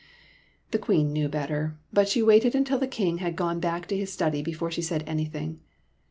The Queen knew better, but she waited until the King had gone back into his study before she said any thing.